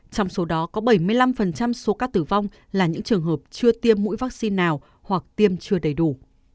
trong số đó có bảy mươi năm số ca tử vong là những trường hợp chưa tiêm mũi vaccine nào hoặc tiêm chưa đầy đủ